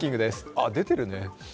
あ、出てるね。